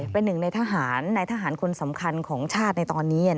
เป็นหนึ่งในทหารในทหารคนสำคัญของชาติในตอนนี้